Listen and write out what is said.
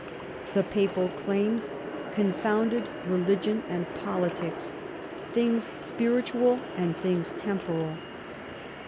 The Papal claims confounded religion and politics, things spirit ual and things temporal.